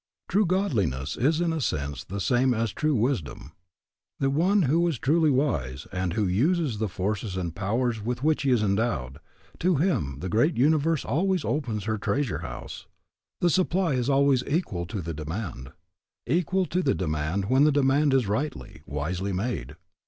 True godliness is in a sense the same as true wisdom. The one who is truly wise, and who uses the forces and powers with which he is endowed, to him the great universe always opens her treasure house. The supply is always equal to the demand, equal to the demand when the demand is rightly, wisely made.